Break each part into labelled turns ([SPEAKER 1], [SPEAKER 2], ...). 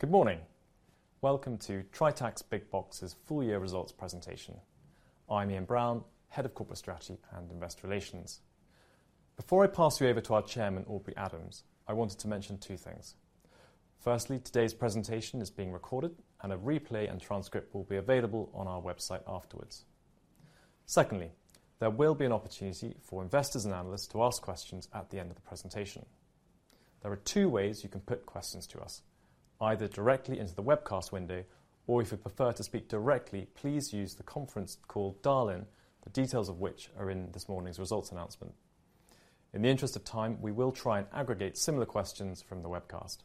[SPEAKER 1] Good morning. Welcome to Tritax Big Box's full year results presentation. I'm Ian Brown, Head of Corporate Strategy and Investor Relations. Before I pass you over to our Chairman, Aubrey Adams, I wanted to mention two things. Firstly, today's presentation is being recorded and a replay and transcript will be available on our website afterwards. Secondly, there will be an opportunity for investors and analysts to ask questions at the end of the presentation. There are two ways you can put questions to us, either directly into the webcast window, or if you prefer to speak directly, please use the conference call dial-in, the details of which are in this morning's results announcement. In the interest of time, we will try and aggregate similar questions from the webcast.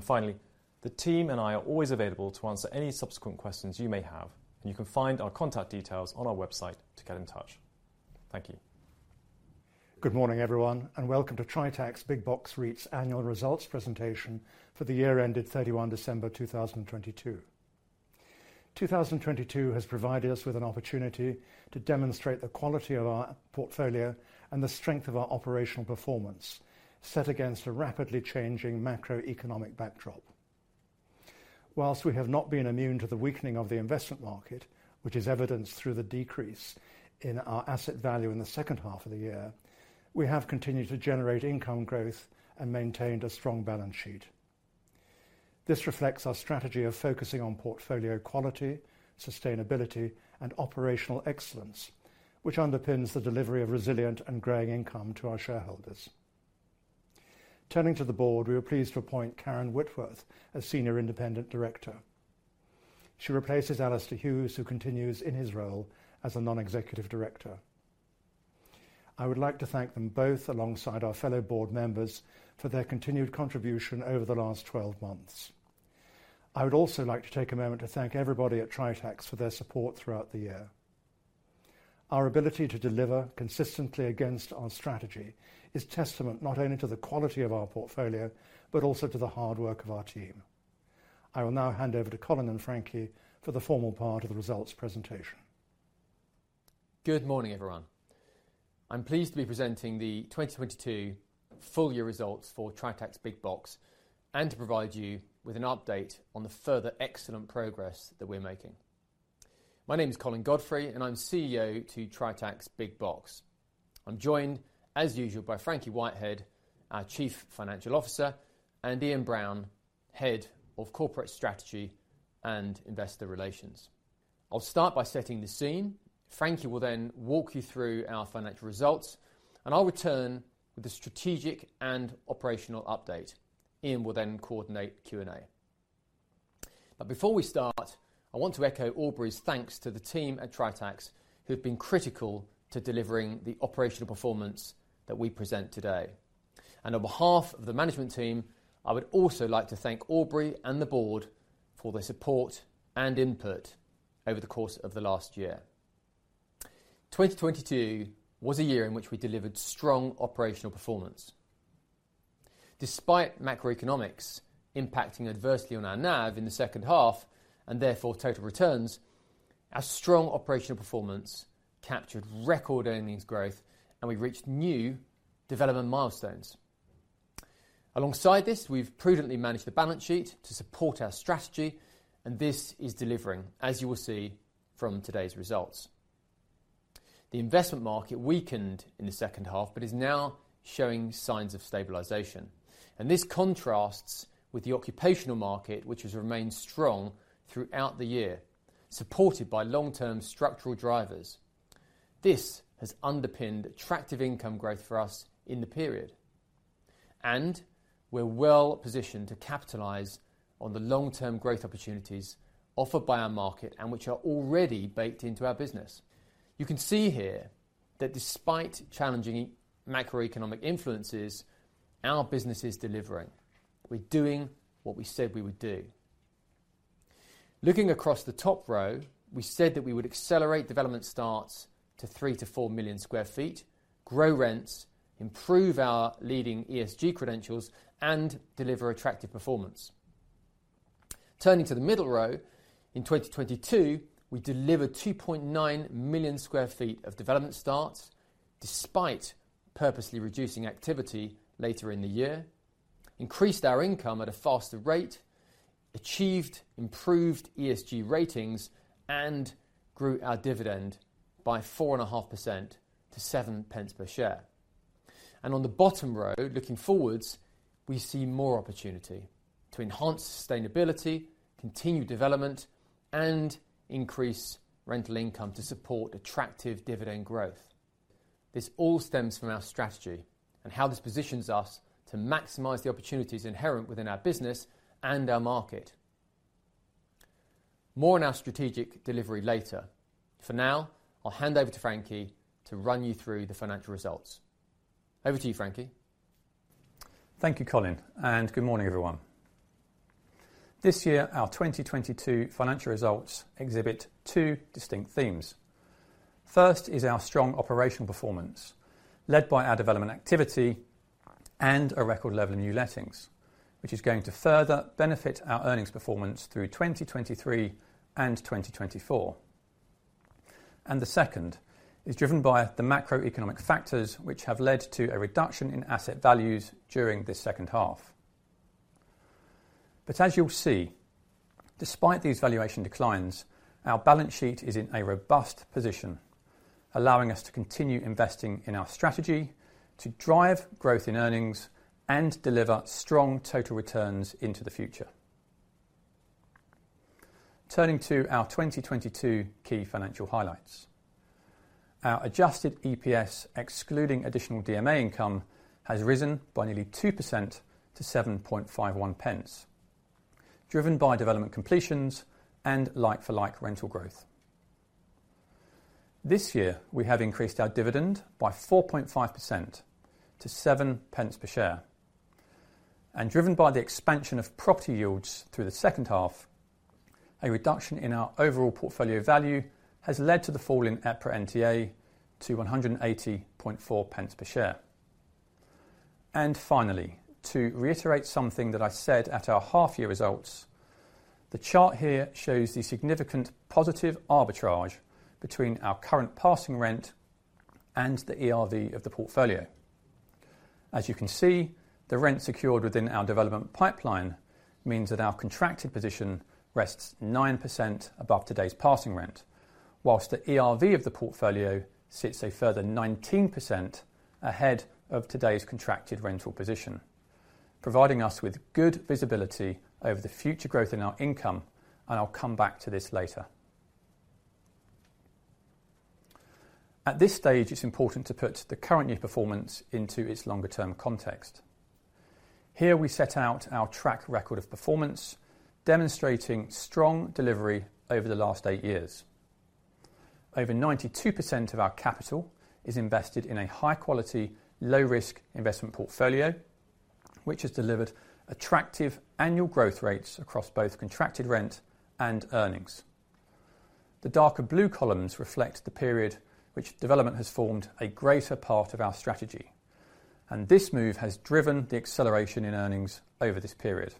[SPEAKER 1] Finally, the team and I are always available to answer any subsequent questions you may have, and you can find our contact details on our website to get in touch. Thank you.
[SPEAKER 2] Good morning, everyone. Welcome to Tritax Big Box REIT's annual results presentation for the year ended December 31, 2022. 2022 has provided us with an opportunity to demonstrate the quality of our portfolio and the strength of our operational performance set against a rapidly changing macroeconomic backdrop. Whilst we have not been immune to the weakening of the investment market, which is evidenced through the decrease in our asset value in the second half of the year, we have continued to generate income growth and maintained a strong balance sheet. This reflects our strategy of focusing on portfolio quality, sustainability, and operational excellence, which underpins the delivery of resilient and growing income to our shareholders. Turning to the board, we were pleased to appoint Karen Whitworth as Senior Independent Director. She replaces Alastair Hughes, who continues in his role as a non-executive director. I would like to thank them both, alongside our fellow board members, for their continued contribution over the last twelve months. I would also like to take a moment to thank everybody at Tritax for their support throughout the year. Our ability to deliver consistently against our strategy is testament not only to the quality of our portfolio, but also to the hard work of our team. I will now hand over to Colin and Frankie for the formal part of the results presentation.
[SPEAKER 3] Good morning, everyone. I'm pleased to be presenting the 2022 full year results for Tritax Big Box and to provide you with an update on the further excellent progress that we're making. My name is Colin Godfrey. I'm CEO to Tritax Big Box. I'm joined, as usual, by Frankie Whitehead, our Chief Financial Officer, and Ian Brown, Head of Corporate Strategy & Investor Relations. I'll start by setting the scene. Frankie will then walk you through our financial results. I'll return with a strategic and operational update. Ian will coordinate Q&A. Before we start, I want to echo Aubrey's thanks to the team at Tritax, who have been critical to delivering the operational performance that we present today. On behalf of the management team, I would also like to thank Aubrey and the board for their support and input over the course of the last year. 2022 was a year in which we delivered strong operational performance. Despite macroeconomics impacting adversely on our NAV in the second half, and therefore total returns, our strong operational performance captured record earnings growth, and we reached new development milestones. Alongside this, we've prudently managed the balance sheet to support our strategy, and this is delivering, as you will see from today's results. The investment market weakened in the second half, but is now showing signs of stabilization. This contrasts with the occupational market, which has remained strong throughout the year, supported by long-term structural drivers. This has underpinned attractive income growth for us in the period, and we're well-positioned to capitalize on the long-term growth opportunities offered by our market and which are already baked into our business. You can see here that despite challenging macroeconomic influences, our business is delivering. We're doing what we said we would do. Looking across the top row, we said that we would accelerate development starts to 3 million-4 million sq ft, grow rents, improve our leading ESG credentials, and deliver attractive performance. Turning to the middle row, in 2022, we delivered 2.9 million sq ft of development starts, despite purposely reducing activity later in the year, increased our income at a faster rate, achieved improved ESG ratings, and grew our dividend by 4.5% to 0.07 per share. On the bottom row, looking forwards, we see more opportunity to enhance sustainability, continue development, and increase rental income to support attractive dividend growth. This all stems from our strategy and how this positions us to maximize the opportunities inherent within our business and our market. More on our strategic delivery later. For now, I'll hand over to Frankie to run you through the financial results. Over to you, Frankie.
[SPEAKER 4] Thank you, Colin, and good morning, everyone. This year, our 2022 financial results exhibit 2 distinct themes. First is our strong operational performance, led by our development activity and a record level of new lettings, which is going to further benefit our earnings performance through 2023 and 2024. The second is driven by the macroeconomic factors, which have led to a reduction in asset values during this second half. As you'll see, despite these valuation declines, our balance sheet is in a robust position, allowing us to continue investing in our strategy to drive growth in earnings and deliver strong total returns into the future. Turning to our 2022 key financial highlights. Our adjusted EPS, excluding additional DMA income, has risen by nearly 2% to 7.51 pence, driven by development completions and like-for-like rental growth. This year, we have increased our dividend by 4.5% to 0.07 per share. Driven by the expansion of property yields through the second half, a reduction in our overall portfolio value has led to the fall in EPRA NTA to 1.804 per share. Finally, to reiterate something that I said at our half-year results, the chart here shows the significant positive arbitrage between our current passing rent and the ERV of the portfolio. You can see, the rent secured within our development pipeline means that our contracted position rests 9% above today's passing rent, whilst the ERV of the portfolio sits a further 19% ahead of today's contracted rental position, providing us with good visibility over the future growth in our income, and I'll come back to this later. At this stage, it's important to put the current year performance into its longer-term context. Here we set out our track record of performance, demonstrating strong delivery over the last eight years. Over 92% of our capital is invested in a high-quality, low-risk investment portfolio, which has delivered attractive annual growth rates across both contracted rent and earnings. The darker blue columns reflect the period which development has formed a greater part of our strategy, and this move has driven the acceleration in earnings over this period.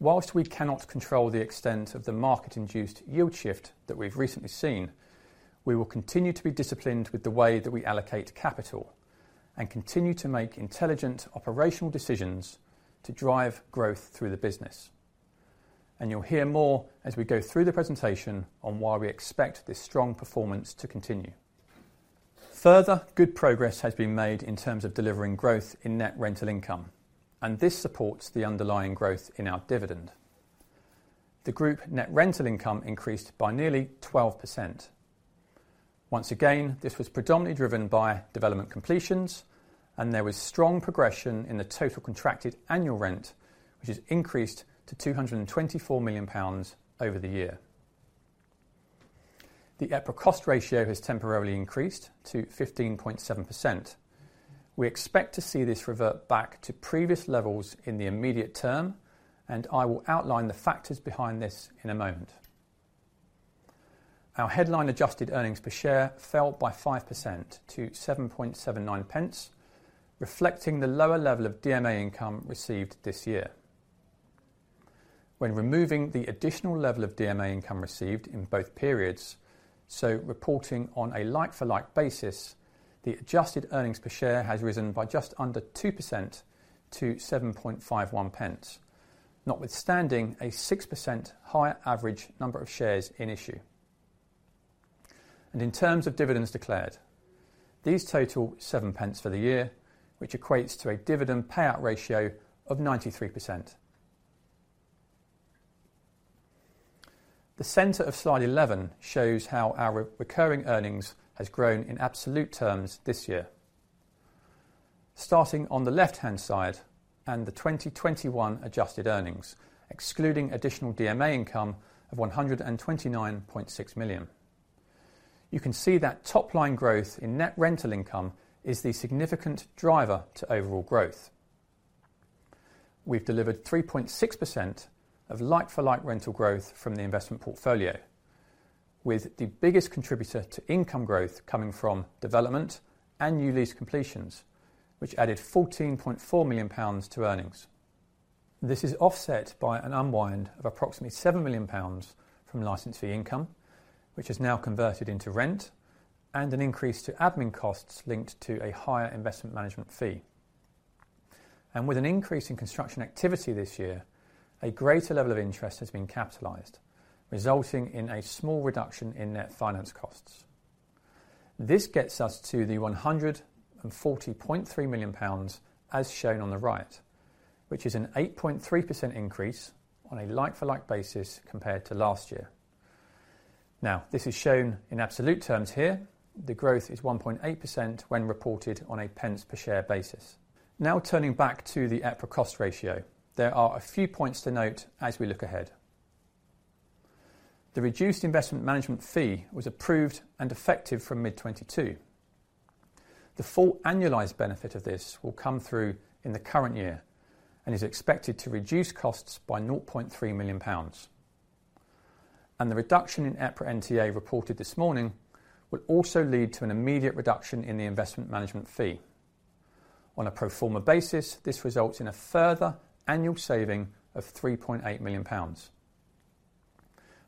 [SPEAKER 4] Whilst we cannot control the extent of the market-induced yield shift that we've recently seen, we will continue to be disciplined with the way that we allocate capital and continue to make intelligent operational decisions to drive growth through the business. You'll hear more as we go through the presentation on why we expect this strong performance to continue. Further good progress has been made in terms of delivering growth in net rental income. This supports the underlying growth in our dividend. The group net rental income increased by nearly 12%. Once again, this was predominantly driven by development completions. There was strong progression in the total contracted annual rent, which has increased to 224 million pounds over the year. The EPRA Cost Ratio has temporarily increased to 15.7%. We expect to see this revert back to previous levels in the immediate term. I will outline the factors behind this in a moment. Our headline adjusted earnings per share fell by 5% to 0.0779, reflecting the lower level of DMA income received this year. When removing the additional level of DMA income received in both periods, so reporting on a like-for-like basis, the adjusted earnings per share has risen by just under 2% to 0.0751, notwithstanding a 6% higher average number of shares in issue. In terms of dividends declared, these total 0.07 for the year, which equates to a dividend payout ratio of 93%. The center of slide 11 shows how our recurring earnings has grown in absolute terms this year. Starting on the left-hand side and the 2021 adjusted earnings, excluding additional DMA income of 129.6 million, you can see that top-line growth in net rental income is the significant driver to overall growth. We've delivered 3.6% of like-for-like rental growth from the investment portfolio, with the biggest contributor to income growth coming from development and new lease completions, which added 14.4 million pounds to earnings. This is offset by an unwind of approximately 7 million pounds from license fee income, which is now converted into rent, and an increase to admin costs linked to a higher investment management fee. With an increase in construction activity this year, a greater level of interest has been capitalized, resulting in a small reduction in net finance costs. This gets us to the 140.3 million pounds as shown on the right, which is an 8.3% increase on a like-for-like basis compared to last year. This is shown in absolute terms here. The growth is 1.8% when reported on a pence per share basis. Turning back to the EPRA Cost Ratio, there are a few points to note as we look ahead. The reduced investment management fee was approved and effective from mid-2022. The full annualized benefit of this will come through in the current year and is expected to reduce costs by 0.3 million pounds. The reduction in EPRA NTA reported this morning will also lead to an immediate reduction in the investment management fee. On a pro forma basis, this results in a further annual saving of 3.8 million pounds.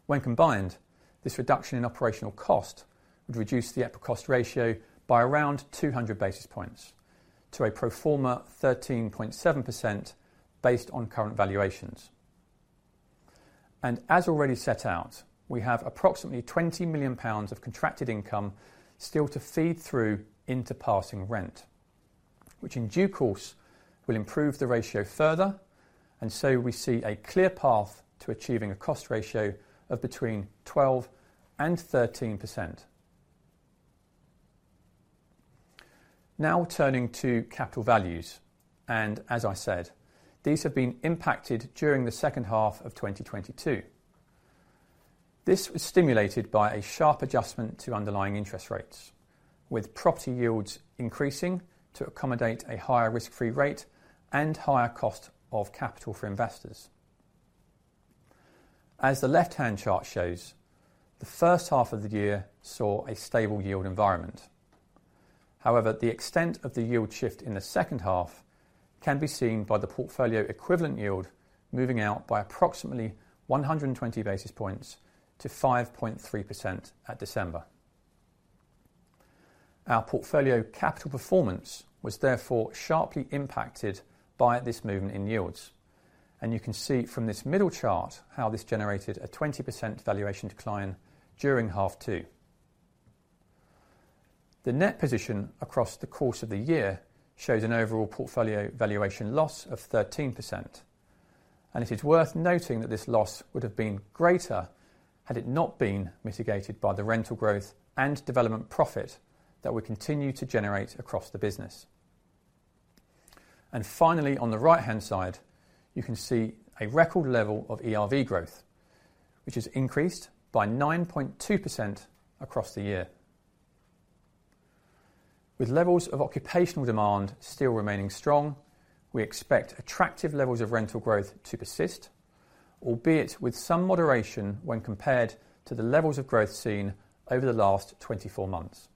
[SPEAKER 4] When combined, this reduction in operational cost would reduce the EPRA Cost Ratio by around 200 basis points to a pro forma 13.7% based on current valuations. As already set out, we have approximately 20 million pounds of contracted income still to feed through into passing rent, which in due course, will improve the ratio further, and so we see a clear path to achieving a cost ratio of between 12% and 13%. Now turning to capital values. As I said, these have been impacted during the second half of 2022. This was stimulated by a sharp adjustment to underlying interest rates, with property yields increasing to accommodate a higher risk-free rate and higher cost of capital for investors. As the left-hand chart shows, the first half of the year saw a stable yield environment. However, the extent of the yield shift in the second half can be seen by the portfolio equivalent yield moving out by approximately 120 basis points to 5.3% at December. Our portfolio capital performance was therefore sharply impacted by this movement in yields. You can see from this middle chart how this generated a 20% valuation decline during half two. The net position across the course of the year shows an overall portfolio valuation loss of 13%. It is worth noting that this loss would have been greater had it not been mitigated by the rental growth and development profit that we continue to generate across the business. Finally, on the right-hand side, you can see a record level of ERV growth, which has increased by 9.2% across the year. With levels of occupational demand still remaining strong, we expect attractive levels of rental growth to persist, albeit with some moderation when compared to the levels of growth seen over the last 24 months.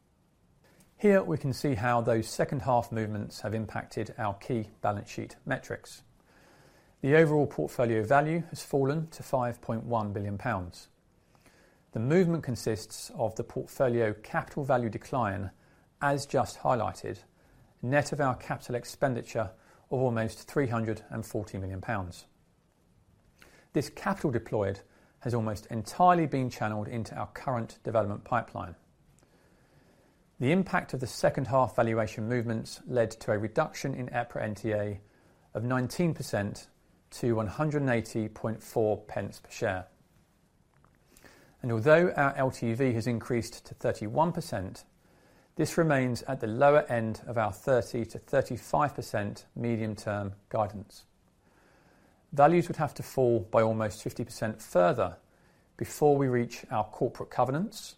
[SPEAKER 4] Here, we can see how those second-half movements have impacted our key balance sheet metrics. The overall portfolio value has fallen to 5.1 billion pounds. The movement consists of the portfolio capital value decline, as just highlighted, net of our capital expenditure of almost 340 million pounds. This capital deployed has almost entirely been channeled into our current development pipeline. The impact of the second-half valuation movements led to a reduction in EPRA NTA of 19% to 1.804 per share. Although our LTV has increased to 31%, this remains at the lower end of our 30%-35% medium-term guidance. Values would have to fall by almost 50% further before we reach our corporate covenants,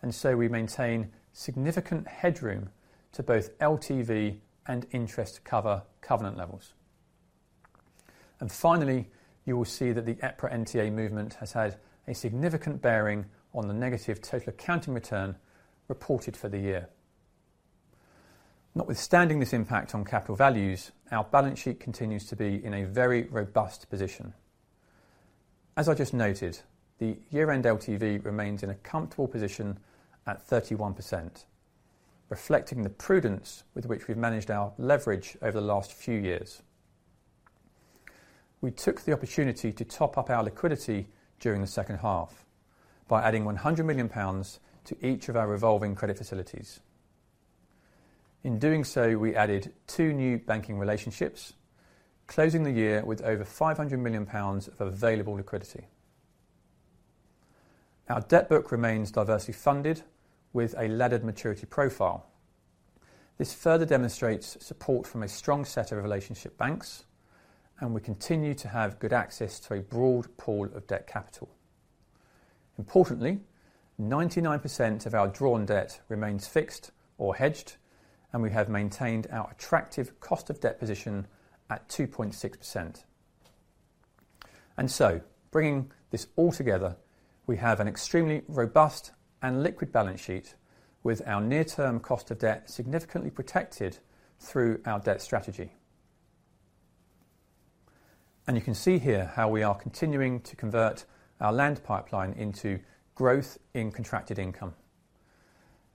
[SPEAKER 4] and so we maintain significant headroom to both LTV and interest cover covenant levels. Finally, you will see that the EPRA NTA movement has had a significant bearing on the negative total accounting return reported for the year. Notwithstanding this impact on capital values, our balance sheet continues to be in a very robust position. As I just noted, the year-end LTV remains in a comfortable position at 31%, reflecting the prudence with which we've managed our leverage over the last few years. We took the opportunity to top up our liquidity during the second half by adding 100 million pounds to each of our revolving credit facilities. In doing so, we added two new banking relationships, closing the year with over 500 million pounds of available liquidity. Our debt book remains diversely funded with a laddered maturity profile. This further demonstrates support from a strong set of relationship banks, we continue to have good access to a broad pool of debt capital. Importantly, 99% of our drawn debt remains fixed or hedged, and we have maintained our attractive cost of debt position at 2.6%. Bringing this all together, we have an extremely robust and liquid balance sheet with our near-term cost of debt significantly protected through our debt strategy. You can see here how we are continuing to convert our land pipeline into growth in contracted income.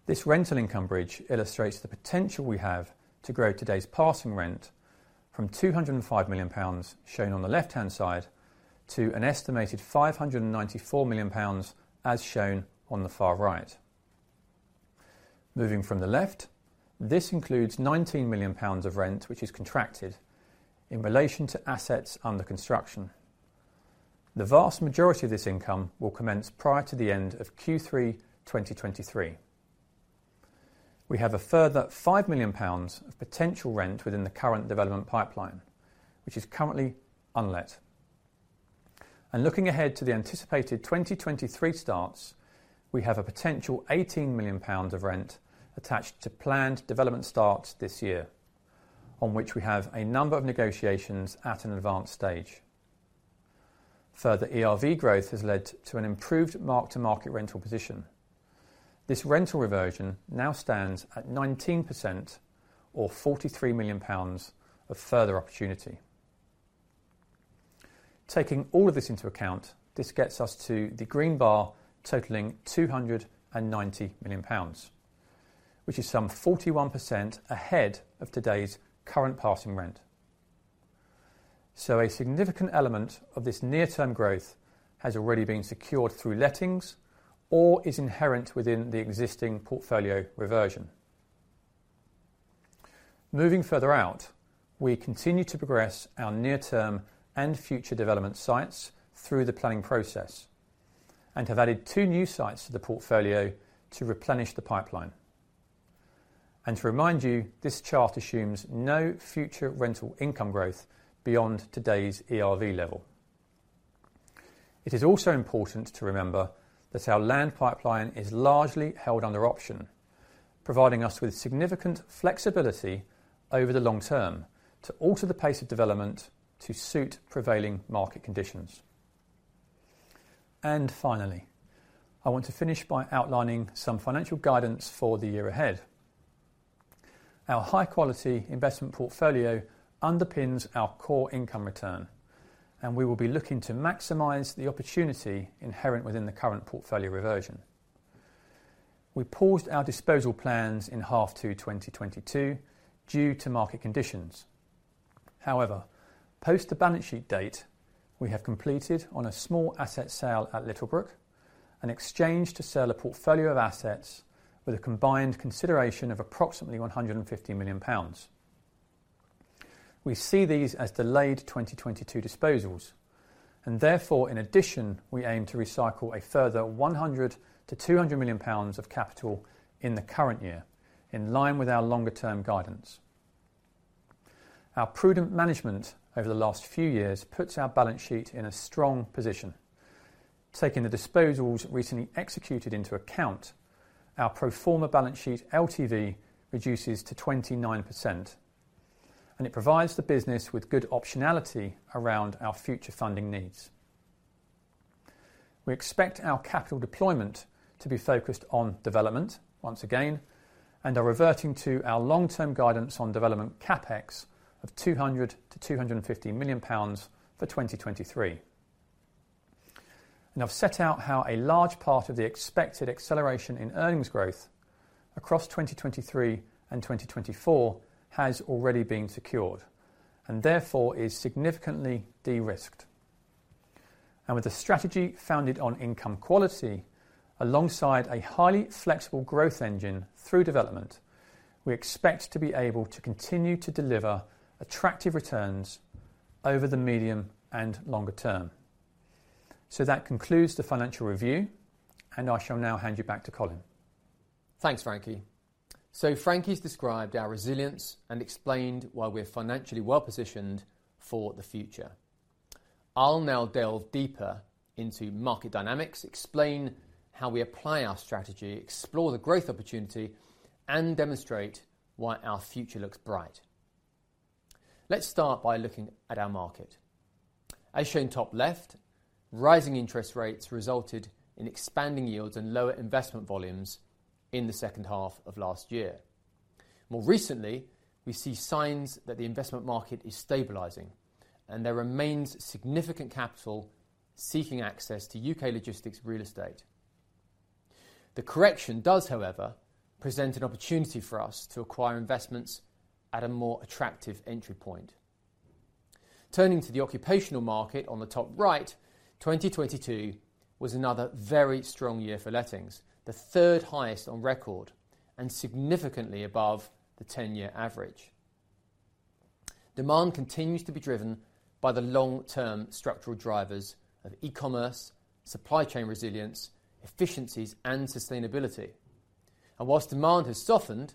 [SPEAKER 4] This rental income bridge illustrates the potential we have to grow today's passing rent from 205 million pounds, shown on the left-hand side, to an estimated 594 million pounds, as shown on the far right. Moving from the left, this includes 19 million pounds of rent which is contracted in relation to assets under construction. The vast majority of this income will commence prior to the end of Q3 2023. We have a further 5 million pounds of potential rent within the current development pipeline, which is currently unlet. Looking ahead to the anticipated 2023 starts, we have a potential 18 million pounds of rent attached to planned development starts this year, on which we have a number of negotiations at an advanced stage. Further ERV growth has led to an improved mark-to-market rental position. This rental reversion now stands at 19% or 43 million pounds of further opportunity. Taking all of this into account, this gets us to the green bar totaling 290 million pounds, which is some 41% ahead of today's current passing rent. A significant element of this near-term growth has already been secured through lettings or is inherent within the existing portfolio reversion. Moving further out, we continue to progress our near-term and future development sites through the planning process and have added two new sites to the portfolio to replenish the pipeline. To remind you, this chart assumes no future rental income growth beyond today's ERV level. It is also important to remember that our land pipeline is largely held under option, providing us with significant flexibility over the long term to alter the pace of development to suit prevailing market conditions. Finally, I want to finish by outlining some financial guidance for the year ahead. Our high-quality investment portfolio underpins our core income return, and we will be looking to maximize the opportunity inherent within the current portfolio reversion. We paused our disposal plans in half to 2022 due to market conditions. Post the balance sheet date, we have completed on a small asset sale at Littlebrook, an exchange to sell a portfolio of assets with a combined consideration of approximately 150 million pounds. We see these as delayed 2022 disposals. In addition, we aim to recycle a further 100 million-200 million pounds of capital in the current year, in line with our longer-term guidance. Our prudent management over the last few years puts our balance sheet in a strong position. Taking the disposals recently executed into account, our pro forma balance sheet LTV reduces to 29%, and it provides the business with good optionality around our future funding needs. We expect our capital deployment to be focused on development once again and are reverting to our long-term guidance on development CapEx of 200 million-250 million pounds for 2023. I've set out how a large part of the expected acceleration in earnings growth across 2023 and 2024 has already been secured and therefore is significantly de-risked. With a strategy founded on income quality alongside a highly flexible growth engine through development, we expect to be able to continue to deliver attractive returns over the medium and longer term. That concludes the financial review, and I shall now hand you back to Colin.
[SPEAKER 3] Thanks, Frankie. Frankie's described our resilience and explained why we're financially well-positioned for the future. I'll now delve deeper into market dynamics, explain how we apply our strategy, explore the growth opportunity, and demonstrate why our future looks bright. Let's start by looking at our market. As shown top left, rising interest rates resulted in expanding yields and lower investment volumes in the second half of last year. More recently, we see signs that the investment market is stabilizing, and there remains significant capital seeking access to UK logistics real estate. The correction does, however, present an opportunity for us to acquire investments at a more attractive entry point. Turning to the occupational market on the top right, 2022 was another very strong year for lettings, the third highest on record and significantly above the 10-year average. Demand continues to be driven by the long-term structural drivers of e-commerce, supply chain resilience, efficiencies, and sustainability. Whilst demand has softened,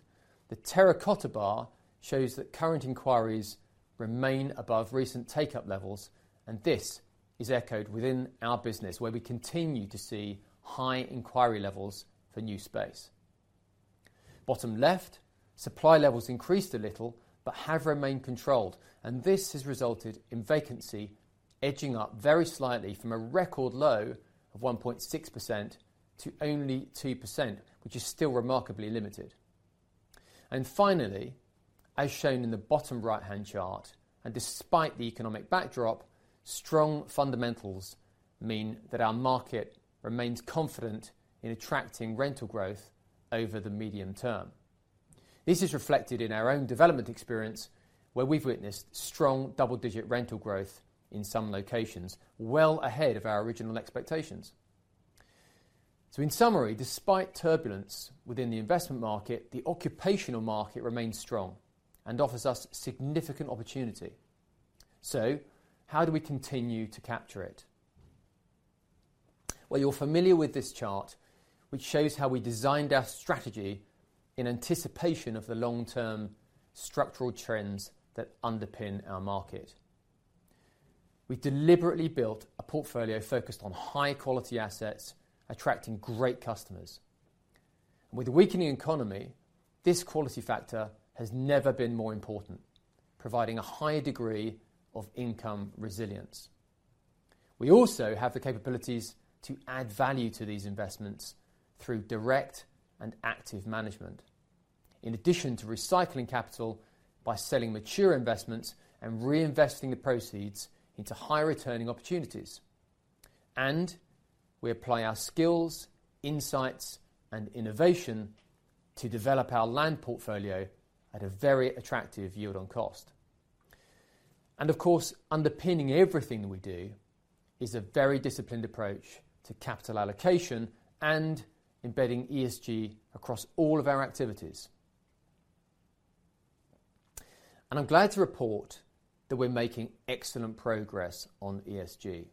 [SPEAKER 3] the terracotta bar shows that current inquiries remain above recent take-up levels, and this is echoed within our business, where we continue to see high inquiry levels for new space. Bottom left, supply levels increased a little but have remained controlled, and this has resulted in vacancy edging up very slightly from a record low of 1.6% to only 2%, which is still remarkably limited. Finally, as shown in the bottom right-hand chart, and despite the economic backdrop, strong fundamentals mean that our market remains confident in attracting rental growth over the medium term. This is reflected in our own development experience, where we've witnessed strong double-digit rental growth in some locations, well ahead of our original expectations. In summary, despite turbulence within the investment market, the occupational market remains strong and offers us significant opportunity. How do we continue to capture it? Well, you're familiar with this chart, which shows how we designed our strategy in anticipation of the long-term structural trends that underpin our market. We deliberately built a portfolio focused on high-quality assets, attracting great customers. With a weakening economy, this quality factor has never been more important, providing a high degree of income resilience. We also have the capabilities to add value to these investments through direct and active management. In addition to recycling capital by selling mature investments and reinvesting the proceeds into higher returning opportunities. We apply our skills, insights, and innovation to develop our land portfolio at a very attractive yield on cost. Of course, underpinning everything we do is a very disciplined approach to capital allocation and embedding ESG across all of our activities. I'm glad to report that we're making excellent progress on ESG.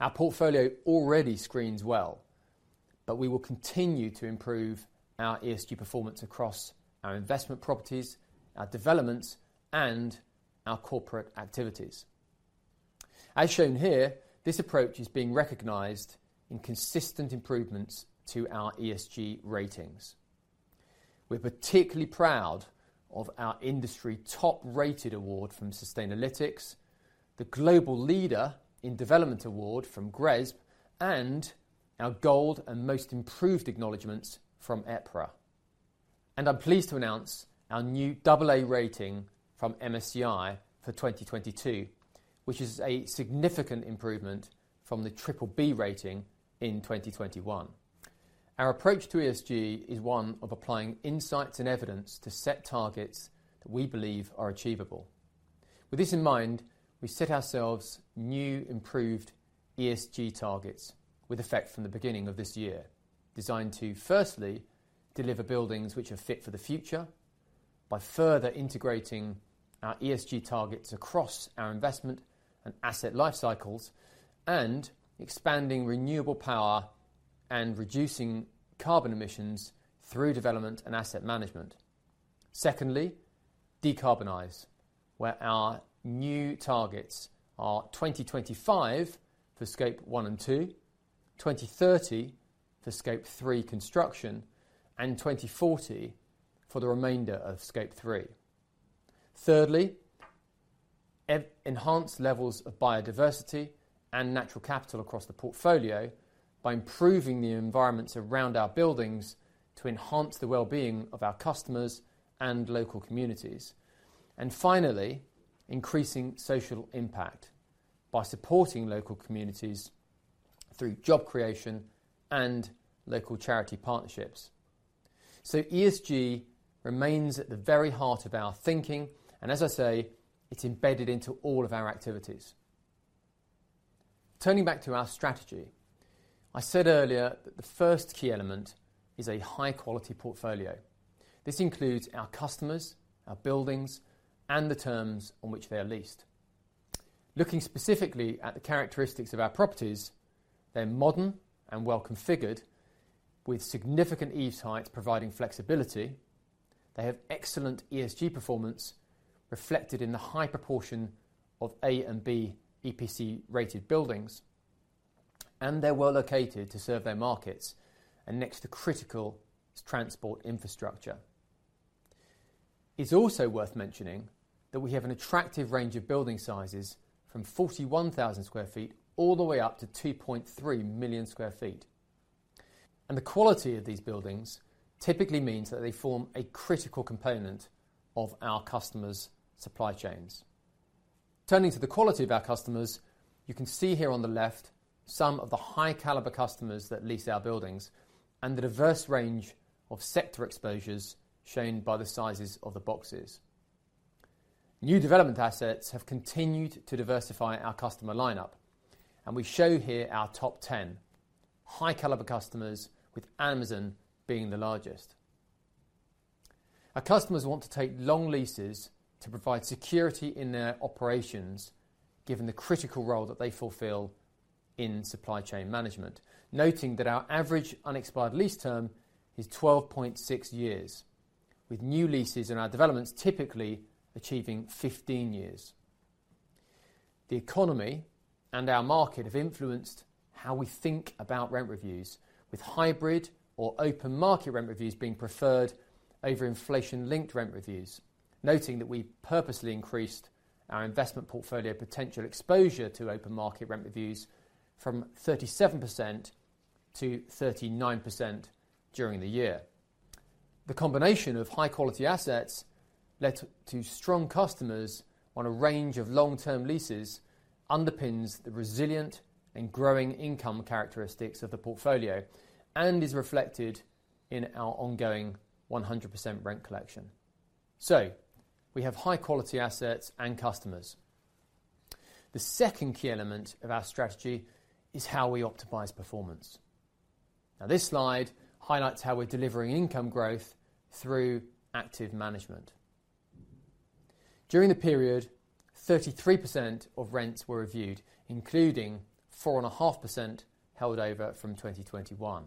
[SPEAKER 3] Our portfolio already screens well, but we will continue to improve our ESG performance across our investment properties, our developments, and our corporate activities. As shown here, this approach is being recognized in consistent improvements to our ESG ratings. We're particularly proud of our industry top-rated award from Sustainalytics, the Global Leader in Development award from GRESB, and our Gold and Most Improved acknowledgments from EPRA. I'm pleased to announce our new AA rating from MSCI for 2022, which is a significant improvement from the BBB rating in 2021. Our approach to ESG is one of applying insights and evidence to set targets that we believe are achievable. With this in mind, we set ourselves new improved ESG targets with effect from the beginning of this year. Designed to, firstly, deliver buildings which are fit for the future by further integrating our ESG targets across our investment and asset life cycles and expanding renewable power and reducing carbon emissions through development and asset management. Secondly, decarbonize, where our new targets are 2025 for Scope 1 and 2, 2030 for Scope 3 construction, and 2040 for the remainder of Scope 3. Thirdly, enhance levels of biodiversity and natural capital across the portfolio by improving the environments around our buildings to enhance the well-being of our customers and local communities. Finally, increasing social impact by supporting local communities through job creation and local charity partnerships. ESG remains at the very heart of our thinking, and as I say, it's embedded into all of our activities. Turning back to our strategy, I said earlier that the first key element is a high-quality portfolio. This includes our customers, our buildings, and the terms on which they are leased. Looking specifically at the characteristics of our properties, they're modern and well-configured with significant eave heights providing flexibility. They have excellent ESG performance reflected in the high proportion of A and B EPC-rated buildings, and they're well located to serve their markets and next to critical transport infrastructure. It's also worth mentioning that we have an attractive range of building sizes from 41,000 sq ft all the way up to 2.3 million sq ft. The quality of these buildings typically means that they form a critical component of our customers' supply chains. Turning to the quality of our customers, you can see here on the left some of the high-caliber customers that lease our buildings and the diverse range of sector exposures shown by the sizes of the boxes. New development assets have continued to diversify our customer lineup. We show here our top 10 high-caliber customers, with Amazon being the largest. Our customers want to take long leases to provide security in their operations, given the critical role that they fulfill in supply chain management. Noting that our average unexpired lease term is 12.6 years, with new leases in our developments typically achieving 15 years. The economy and our market have influenced how we think about rent reviews, with hybrid or open market rent reviews being preferred over inflation-linked rent reviews. Noting that we purposely increased our investment portfolio potential exposure to open market rent reviews from 37% to 39% during the year. The combination of high-quality assets led to strong customers on a range of long-term leases underpins the resilient and growing income characteristics of the portfolio and is reflected in our ongoing 100% rent collection. We have high-quality assets and customers. The second key element of our strategy is how we optimize performance. This slide highlights how we're delivering income growth through active management. During the period, 33% of rents were reviewed, including 4.5% held over from 2021.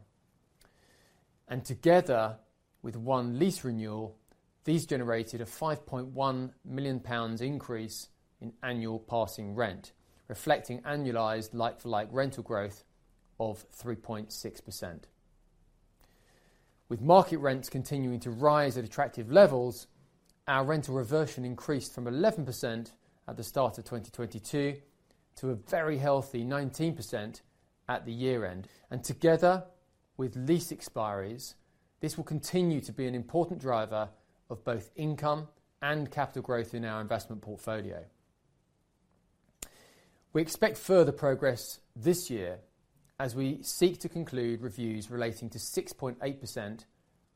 [SPEAKER 3] Together with one lease renewal These generated a 5.1 million pounds increase in annual passing rent, reflecting annualized like-for-like rental growth of 3.6%. With market rents continuing to rise at attractive levels, our rental reversion increased from 11% at the start of 2022 to a very healthy 19% at the year-end. Together with lease expiries, this will continue to be an important driver of both income and capital growth in our investment portfolio. We expect further progress this year as we seek to conclude reviews relating to 6.8%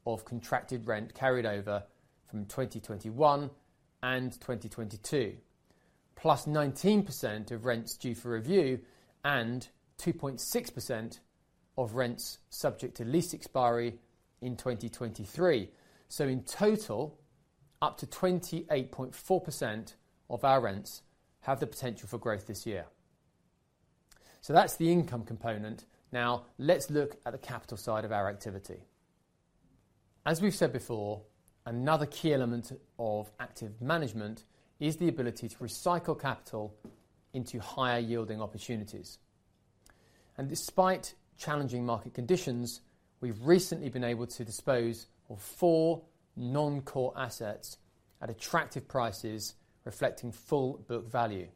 [SPEAKER 3] of contracted rent carried over from 2021 and 2022, plus 19% of rents due for review and 2.6% of rents subject to lease expiry in 2023. In total, up to 28.4% of our rents have the potential for growth this year. That's the income component. Now let's look at the capital side of our activity. As we've said before, another key element of active management is the ability to recycle capital into higher yielding opportunities. Despite challenging market conditions, we've recently been able to dispose of 4 non-core assets at attractive prices, reflecting full book value.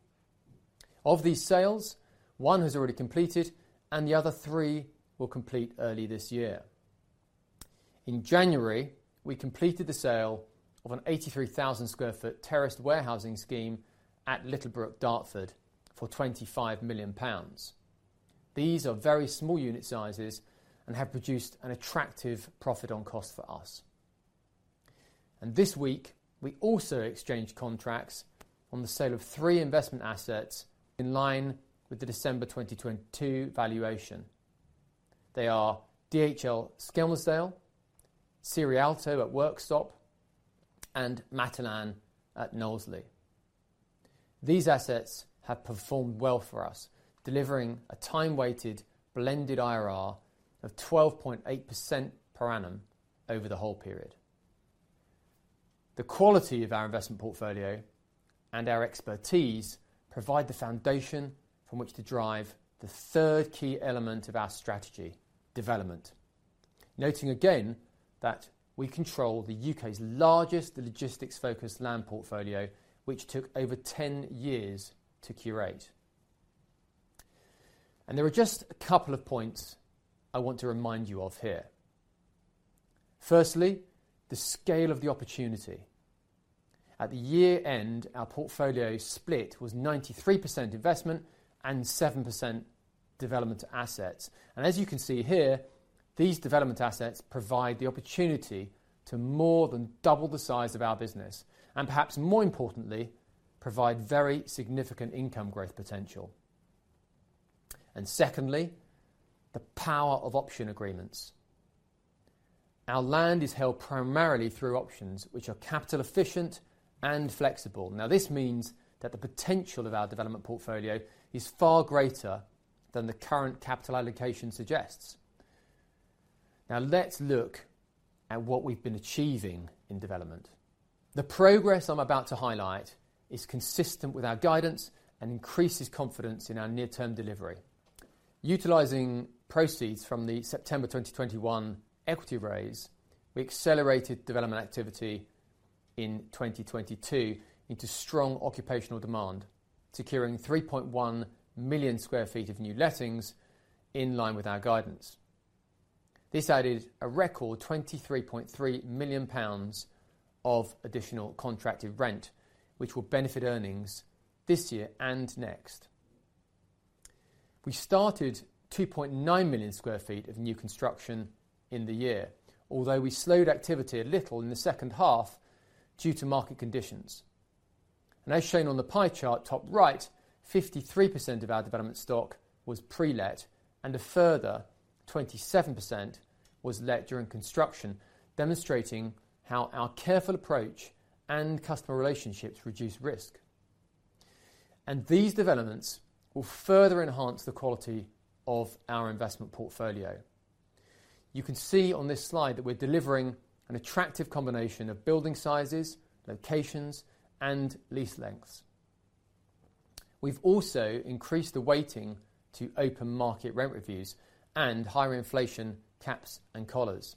[SPEAKER 3] Of these sales, 1 has already completed and the other 3 will complete early this year. In January, we completed the sale of an 83,000 sq ft terraced warehousing scheme at Littlebrook, Dartford, for 25 million pounds. These are very small unit sizes and have produced an attractive profit on cost for us. This week, we also exchanged contracts on the sale of 3 investment assets in line with the December 2022 valuation. They are DHL Skelmersdale, Cerealto at Worksop, and Matalan at Knowsley. These assets have performed well for us, delivering a time-weighted blended IRR of 12.8% per annum over the whole period. The quality of our investment portfolio and our expertise provide the foundation from which to drive the third key element of our strategy, development. Noting again that we control the UK's largest logistics focused land portfolio, which took over 10 years to curate. There are just a couple of points I want to remind you of here. Firstly, the scale of the opportunity. At the year-end, our portfolio split was 93% investment and 7% development assets. As you can see here, these development assets provide the opportunity to more than double the size of our business, and perhaps more importantly, provide very significant income growth potential. Secondly, the power of option agreements. Our land is held primarily through options which are capital efficient and flexible. This means that the potential of our development portfolio is far greater than the current capital allocation suggests. Let's look at what we've been achieving in development. The progress I'm about to highlight is consistent with our guidance and increases confidence in our near-term delivery. Utilizing proceeds from the September 2021 equity raise, we accelerated development activity in 2022 into strong occupational demand, securing 3.1 million sq ft of new lettings in line with our guidance. This added a record 23.3 million pounds of additional contracted rent, which will benefit earnings this year and next. We started 2.9 million sq ft of new construction in the year, although we slowed activity a little in the second half due to market conditions. As shown on the pie chart, top right, 53% of our development stock was pre-let, and a further 27% was let during construction, demonstrating how our careful approach and customer relationships reduce risk. These developments will further enhance the quality of our investment portfolio. You can see on this slide that we're delivering an attractive combination of building sizes, locations, and lease lengths. We've also increased the weighting to open market rent reviews and higher inflation caps and collars,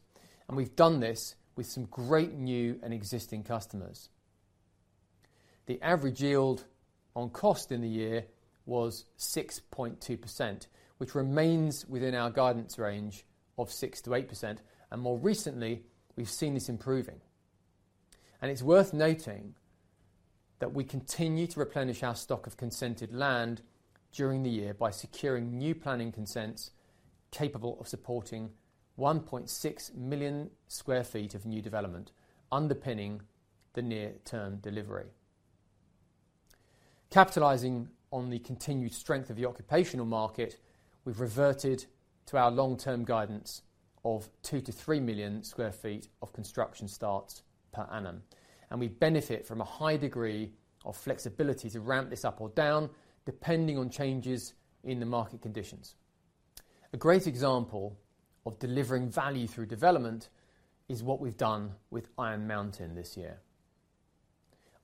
[SPEAKER 3] and we've done this with some great new and existing customers. The average yield on cost in the year was 6.2%, which remains within our guidance range of 6%-8%, and more recently, we've seen this improving. It's worth noting that we continue to replenish our stock of consented land during the year by securing new planning consents capable of supporting 1.6 million sq ft of new development underpinning the near term delivery. Capitalizing on the continued strength of the occupational market, we've reverted to our long-term guidance of 2 million-3 million sq ft of construction starts per annum, and we benefit from a high degree of flexibility to ramp this up or down, depending on changes in the market conditions. A great example of delivering value through development is what we've done with Iron Mountain this year.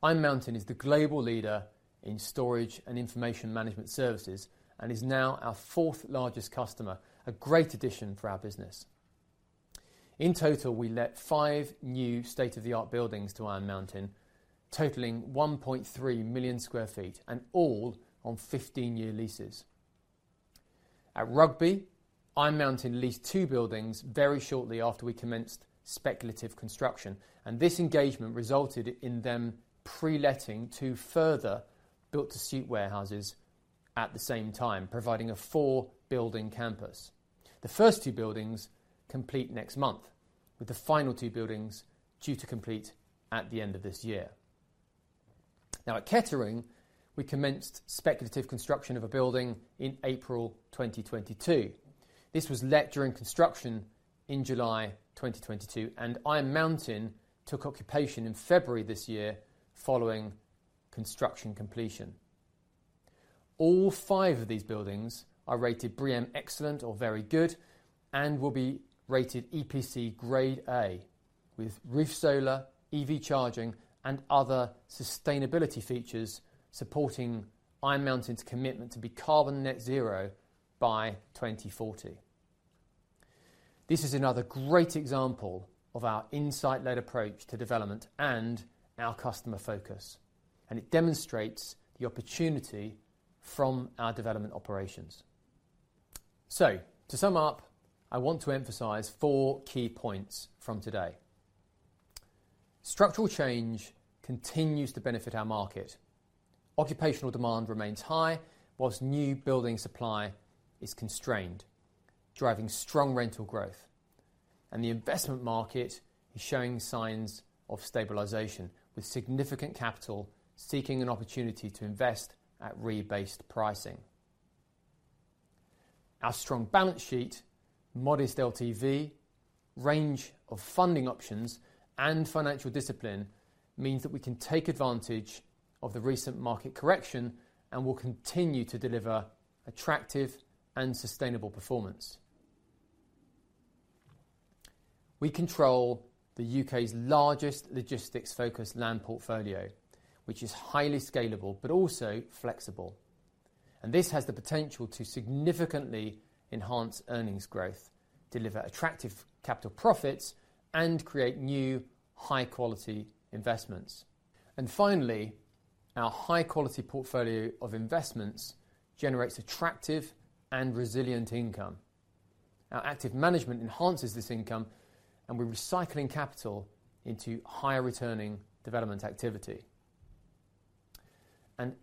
[SPEAKER 3] Iron Mountain is the global leader in storage and information management services, and is now our fourth largest customer, a great addition for our business. In total, we let 5 new state-of-the-art buildings to Iron Mountain, totaling 1.3 million sq ft and all on 15-year leases. At Rugby, Iron Mountain leased 2 buildings very shortly after we commenced speculative construction. This engagement resulted in them pre-letting 2 further built-to-suit warehouses at the same time, providing a 4-building campus. The first 2 buildings complete next month, with the final 2 buildings due to complete at the end of this year. At Kettering, we commenced speculative construction of a building in April 2022. This was let during construction in July 2022, and Iron Mountain took occupation in February this year following construction completion. All five of these buildings are rated BREEAM Excellent or Very Good and will be rated EPC Grade A with roof solar, EV charging and other sustainability features supporting Iron Mountain's commitment to be carbon net zero by 2040. This is another great example of our insight-led approach to development and our customer focus. It demonstrates the opportunity from our development operations. To sum up, I want to emphasize four key points from today. Structural change continues to benefit our market. Occupational demand remains high, whilst new building supply is constrained, driving strong rental growth. The investment market is showing signs of stabilization, with significant capital seeking an opportunity to invest at rebased pricing. Our strong balance sheet, modest LTV, range of funding options, and financial discipline means that we can take advantage of the recent market correction and will continue to deliver attractive and sustainable performance. We control the U.K.'s largest logistics-focused land portfolio, which is highly scalable but also flexible. This has the potential to significantly enhance earnings growth, deliver attractive capital profits, and create new high-quality investments. Finally, our high-quality portfolio of investments generates attractive and resilient income. Our active management enhances this income, and we're recycling capital into higher returning development activity.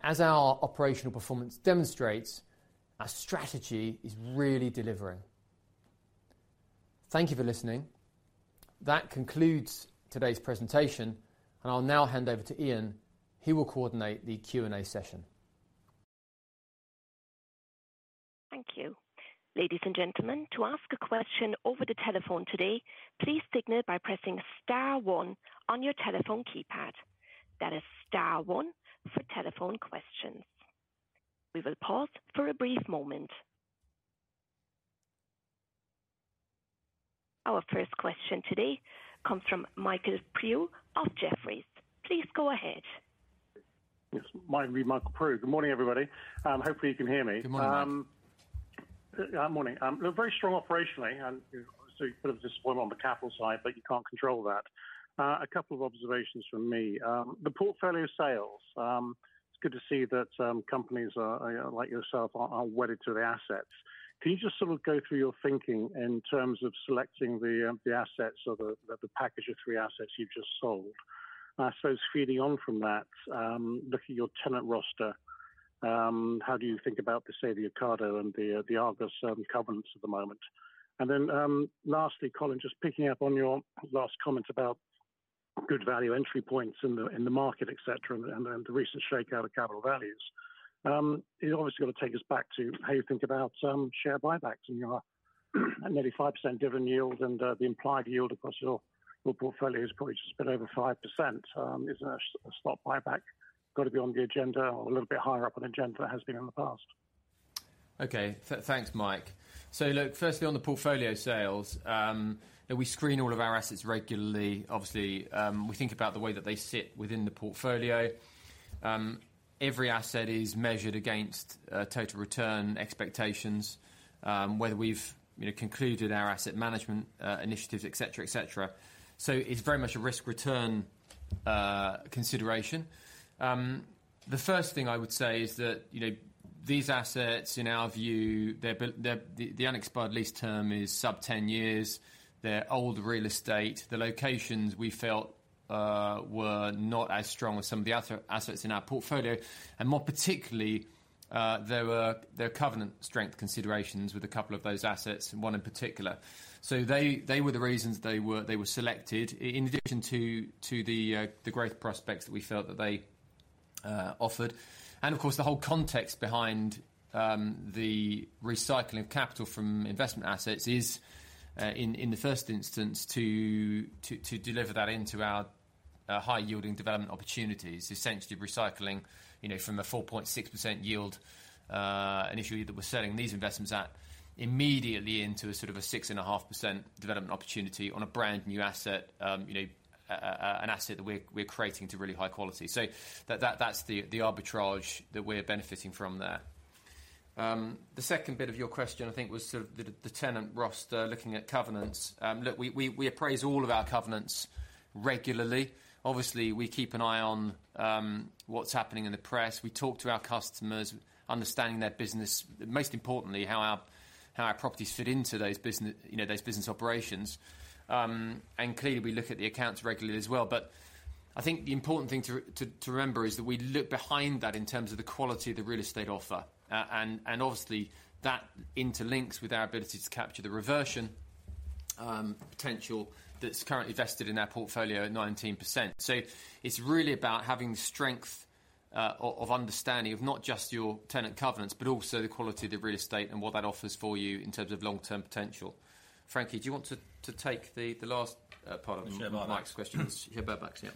[SPEAKER 3] As our operational performance demonstrates, our strategy is really delivering. Thank you for listening. That concludes today's presentation, and I'll now hand over to Ian, who will coordinate the Q&A session.
[SPEAKER 5] Thank you. Ladies and gentlemen, to ask a question over the telephone today, please signal by pressing star one on your telephone keypad. That is star one for telephone questions. We will pause for a brief moment. Our first question today comes from Mike Prew of Jefferies. Please go ahead.
[SPEAKER 6] Yes. Me Mike Prew. Good morning, everybody. hopefully you can hear me.
[SPEAKER 3] Good morning, Mike.
[SPEAKER 6] Morning. Obviously bit of a disappointment on the capital side. You can't control that. A couple of observations from me. The portfolio sales, it's good to see that companies are, you know, like yourself are wedded to the assets. Can you just sort of go through your thinking in terms of selecting the assets or the package of three assets you've just sold? I suppose feeding on from that, looking at your tenant roster, how do you think about the, say, the Ocado and the Argos covenants at the moment? Lastly, Colin, just picking up on your last comment about good value entry points in the market, et cetera, and the recent shakeout of capital values, you obviously got to take us back to how you think about share buybacks in your nearly 5% dividend yield and, the implied yield across your portfolio is probably just a bit over 5%. Is a stock buyback gotta be on the agenda or a little bit higher up on the agenda than it has been in the past?
[SPEAKER 3] Okay. Thanks, Mike. Look, firstly on the portfolio sales, yeah, we screen all of our assets regularly. Obviously, we think about the way that they sit within the portfolio. Every asset is measured against total return expectations, whether we've, you know, concluded our asset management initiatives, et cetera, et cetera. It's very much a risk return consideration. The first thing I would say is that, you know, these assets, in our view, the unexpired lease term is sub 10 years. They're old real estate. The locations we felt were not as strong as some of the other assets in our portfolio. More particularly, there were covenant strength considerations with a couple of those assets, one in particular. They were the reasons they were selected in addition to the growth prospects that we felt that they offered. Of course, the whole context behind the recycling of capital from investment assets is in the first instance to deliver that into our high yielding development opportunities, essentially recycling, you know, from a 4.6% yield initially that we're selling these investments at, immediately into a sort of a 6.5% development opportunity on a brand new asset. You know, an asset that we're creating to really high quality. That's the arbitrage that we're benefiting from there. The second bit of your question, I think, was sort of the tenant roster looking at covenants. look, we appraise all of our covenants regularly. Obviously, we keep an eye on what's happening in the press. We talk to our customers, understanding their business, most importantly, how our, how our properties fit into those you know, those business operations. Clearly, we look at the accounts regularly as well. I think the important thing to remember is that we look behind that in terms of the quality of the real estate offer. And obviously, that interlinks with our ability to capture the reversion potential that's currently vested in our portfolio at 19%. It's really about having strength of understanding of not just your tenant covenants, but also the quality of the real estate and what that offers for you in terms of long-term potential. Frankie, do you want to take the last part of Mike's question?
[SPEAKER 4] The share buybacks.
[SPEAKER 3] Share buybacks,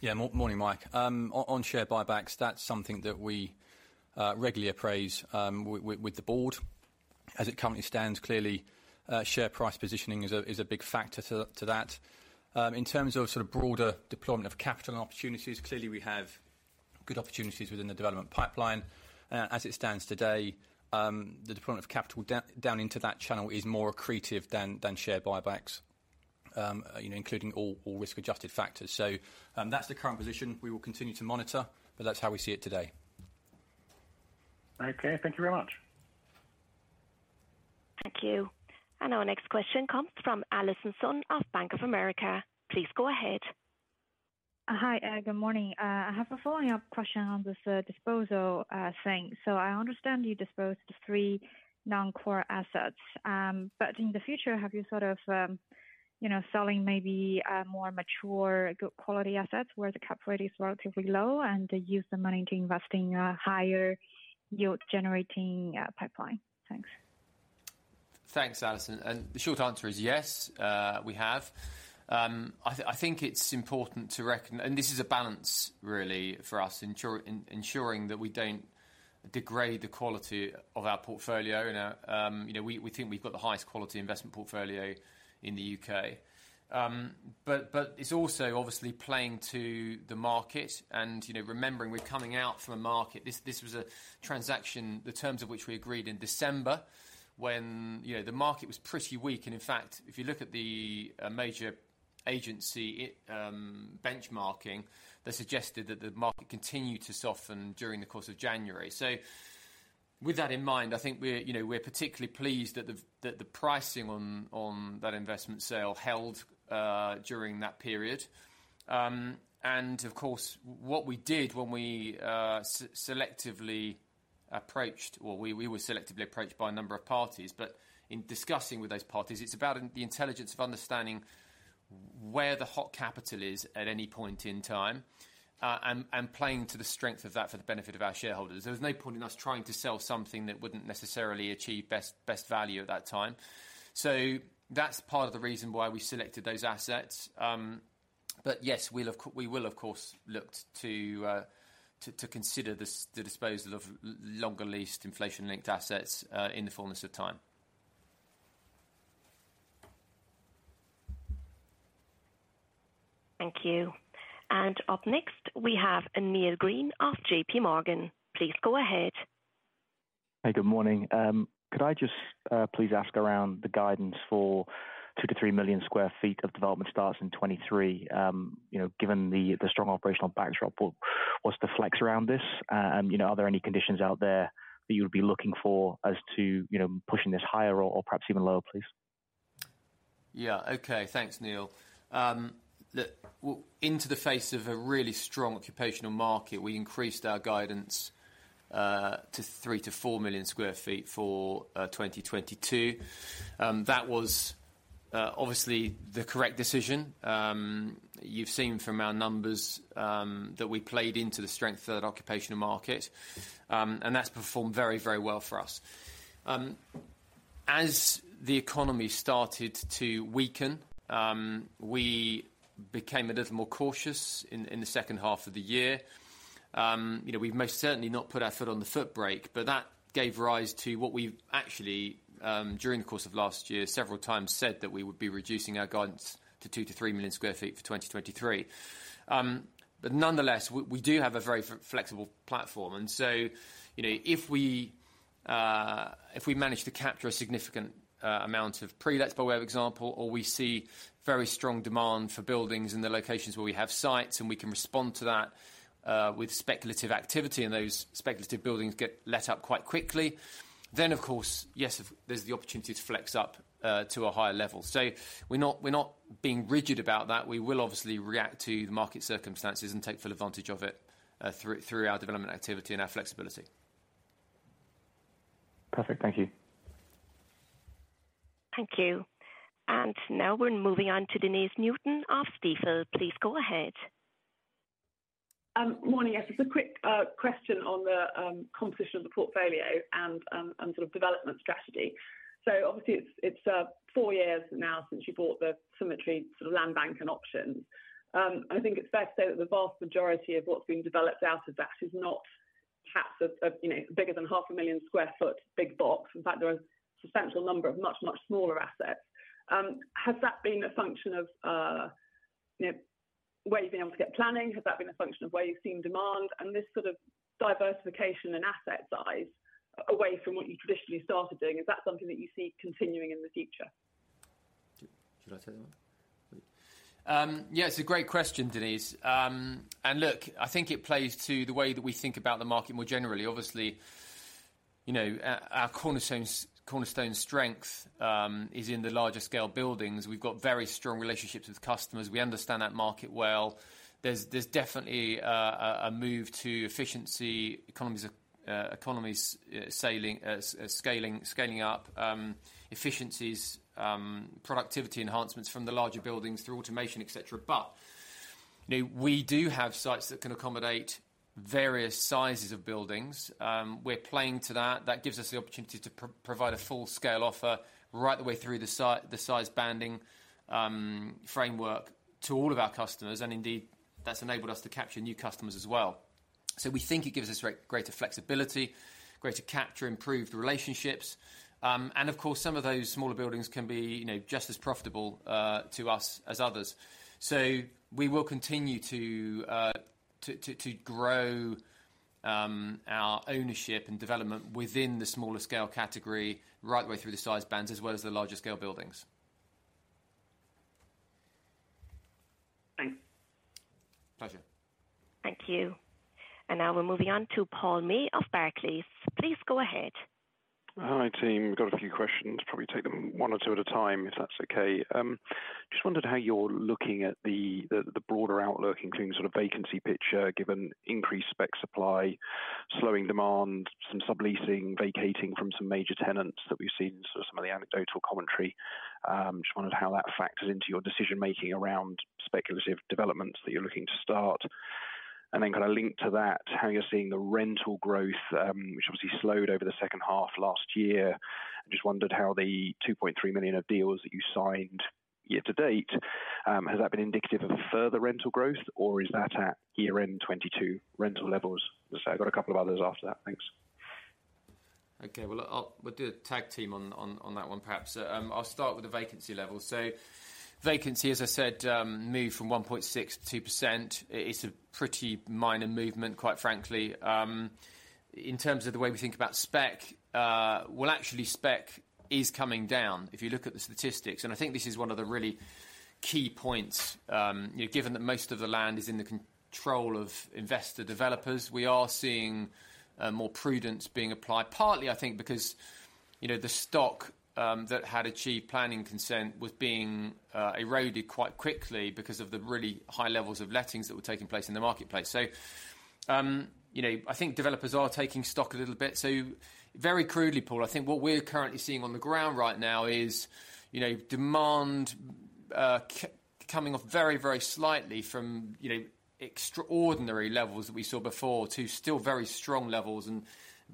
[SPEAKER 3] yeah.
[SPEAKER 4] Morning, Mike. On share buybacks, that's something that we regularly appraise with the board. As it currently stands, clearly, share price positioning is a big factor to that. In terms of sort of broader deployment of capital and opportunities, clearly we have good opportunities within the development pipeline. As it stands today, the deployment of capital down into that channel is more accretive than share buybacks, you know, including all risk-adjusted factors. That's the current position. We will continue to monitor, but that's how we see it today.
[SPEAKER 2] Okay, thank you very much.
[SPEAKER 5] Thank you. Our next question comes from Allison Sun of Bank of America. Please go ahead.
[SPEAKER 7] Hi, good morning. I have a follow-up question on this disposal thing. I understand you disposed the 3 non-core assets. In the future, have you thought of, you know, selling maybe a more mature good quality assets where the cap rate is relatively low and use the money to invest in a higher yield-generating pipeline? Thanks.
[SPEAKER 3] Thanks, Allison. The short answer is yes, we have. I think it's important to rec-- and this is a balance really for us, ensuring that we don't degrade the quality of our portfolio. You know, you know, we think we've got the highest quality investment portfolio in the U.K. It's also obviously playing to the market and, you know, remembering we're coming out from a market. This was a transaction, the terms of which we agreed in December when, you know, the market was pretty weak. In fact, if you look at the, a major agency, it, benchmarking, they suggested that the market continued to soften during the course of January. With that in mind, I think we're, you know, we're particularly pleased that the pricing on that investment sale held during that period. Of course, what we did when we selectively approached, or we were selectively approached by a number of parties, but in discussing with those parties, it's about the intelligence of understanding where the hot capital is at any point in time, and playing to the strength of that for the benefit of our shareholders. There's no point in us trying to sell something that wouldn't necessarily achieve best value at that time. That's part of the reason why we selected those assets. Yes, we will of course look to consider this, the disposal of longer leased inflation-linked assets in the fullness of time.
[SPEAKER 5] Thank you. Up next, we have Neil Green of J.P. Morgan. Please go ahead.
[SPEAKER 8] Hi, good morning. Could I just please ask around the guidance for 2 million-3 million sq ft of development starts in 2023, you know, given the strong operational backdrop, what's the flex around this? You know, are there any conditions out there that you would be looking for as to, you know, pushing this higher or perhaps even lower, please?
[SPEAKER 3] Yeah. Okay. Thanks, Neil. Look, well, into the face of a really strong occupational market, we increased our guidance to 3 million-4 million sq ft for 2022. That was obviously the correct decision. You've seen from our numbers that we played into the strength of that occupational market. That's performed very, very well for us. As the economy started to weaken, we became a little more cautious in the second half of the year. You know, we've most certainly not put our foot on the foot brake, but that gave rise to what we've actually, during the course of last year, several times said that we would be reducing our guidance to 2 million-3 million sq ft for 2023. Nonetheless, we do have a very flexible platform, you know, if we manage to capture a significant amount of prelets, by way of example, or we see very strong demand for buildings in the locations where we have sites, and we can respond to that with speculative activity, and those speculative buildings get let up quite quickly, then, of course, yes, if there's the opportunity to flex up to a higher level. We're not being rigid about that. We will obviously react to the market circumstances and take full advantage of it through our development activity and our flexibility.
[SPEAKER 8] Perfect. Thank you.
[SPEAKER 5] Thank you. Now we're moving on to Denese Newton of Stifel. Please go ahead.
[SPEAKER 9] Morning, yes. Just a quick question on the competition of the portfolio and sort of development strategy. Obviously it's 4 years now since you bought the Symmetry sort of land bank and options. I think it's fair to say that the vast majority of what's being developed out of that is not perhaps a, you know, bigger than half a million sq ft big box. In fact, there are a substantial number of much smaller assets. Has that been a function of, you know, where you've been able to get planning? Has that been a function of where you've seen demand and this sort of diversification and asset size away from what you traditionally started doing? Is that something that you see continuing in the future?
[SPEAKER 3] Should I take that one? Yeah, it's a great question, Denese. Look, I think it plays to the way that we think about the market more generally. Obviously, you know, our cornerstone strength is in the larger scale buildings. We've got very strong relationships with customers. We understand that market well. There's definitely a move to efficiency, economies of economies, scaling up, efficiencies, productivity enhancements from the larger buildings through automation, et cetera. You know, we do have sites that can accommodate various sizes of buildings. We're playing to that. That gives us the opportunity to provide a full scale offer right the way through the size banding framework to all of our customers, and indeed, that's enabled us to capture new customers as well. We think it gives us greater flexibility, greater capture, improved relationships. Of course, some of those smaller buildings can be, you know, just as profitable to us as others. We will continue to grow our ownership and development within the smaller scale category right the way through the size bands, as well as the larger scale buildings.
[SPEAKER 9] Thanks.
[SPEAKER 3] Pleasure.
[SPEAKER 5] Thank you. Now we're moving on to Paul May of Barclays. Please go ahead.
[SPEAKER 10] Hi, team. Got a few questions. Probably take them one or two at a time, if that's okay. Just wondered how you're looking at the, the broader outlook including sort of vacancy picture, given increased spec supply, slowing demand, some subleasing, vacating from some major tenants that we've seen sort of some of the anecdotal commentary. Then kind of linked to that, how you're seeing the rental growth, which obviously slowed over the second half last year. I just wondered how the 2.3 million of deals that you signed year to date, has that been indicative of further rental growth, or is that at year-end 2022 rental levels? I've got a couple of others after that. Thanks.
[SPEAKER 3] Okay. Well, we'll do a tag team on that one, perhaps. I'll start with the vacancy level. Vacancy, as I said, moved from 1.6% to 2%. It's a pretty minor movement, quite frankly. In terms of the way we think about spec, well, actually spec is coming down if you look at the statistics, I think this is one of the really key points, you know, given that most of the land is in the control of investor developers. We are seeing more prudence being applied, partly I think because, you know, the stock that had achieved planning consent was being eroded quite quickly because of the really high levels of lettings that were taking place in the marketplace. You know, I think developers are taking stock a little bit. Very crudely, Paul, I think what we're currently seeing on the ground right now is, you know, demand coming off very, very slightly from, you know, extraordinary levels that we saw before to still very strong levels, and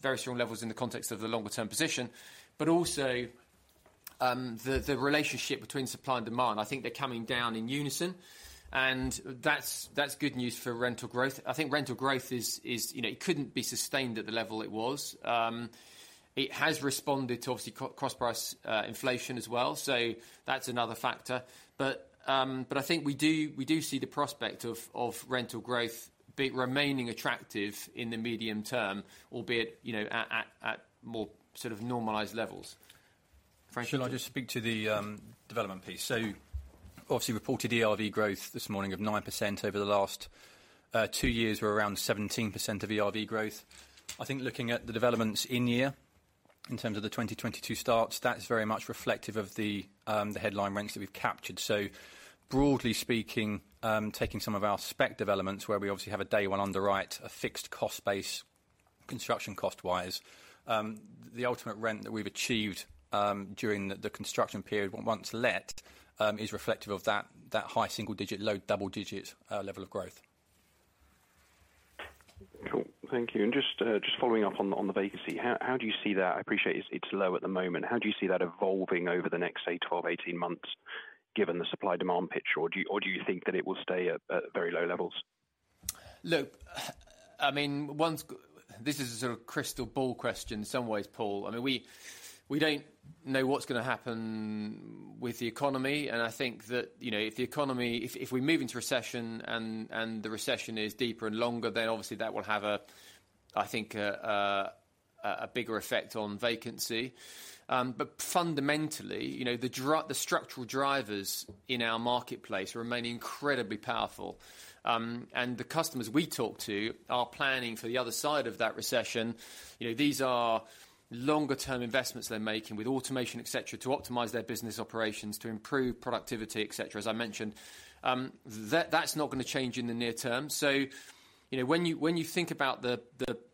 [SPEAKER 3] very strong levels in the context of the longer term position. Also, the relationship between supply and demand, I think they're coming down in unison, and that's good news for rental growth. I think rental growth is, you know, it couldn't be sustained at the level it was. It has responded to obviously cost price inflation as well, so that's another factor. I think we do see the prospect of rental growth remaining attractive in the medium term, albeit, you know, at more sort of normalized levels. Frank, do you-
[SPEAKER 4] Shall I just speak to the development piece? Obviously reported ERV growth this morning of 9% over the last 2 years were around 17% of ERV growth. I think looking at the developments in year, in terms of the 2022 starts, that is very much reflective of the headline rents that we've captured. Broadly speaking, taking some of our spec developments where we obviously have a day 1 underwrite, a fixed cost base construction cost-wise, the ultimate rent that we've achieved during the construction period once let, is reflective of that high single digit, low double digits level of growth.
[SPEAKER 10] Cool. Thank you. Just, just following up on the, on the vacancy, how do you see that? I appreciate it's low at the moment. How do you see that evolving over the next, say, 12, 18 months given the supply demand picture, or do you think that it will stay at very low levels?
[SPEAKER 3] Look, I mean, this is a sort of crystal ball question in some ways, Paul. I mean, we don't know what's gonna happen with the economy. I think that, you know, if we move into recession and the recession is deeper and longer, obviously that will have a, I think, a bigger effect on vacancy. Fundamentally, you know, the structural drivers in our marketplace remain incredibly powerful. The customers we talk to are planning for the other side of that recession. You know, these are longer-term investments they're making with automation, etc., to optimize their business operations, to improve productivity, etc., as I mentioned. That's not gonna change in the near term. You know, when you, when you think about the,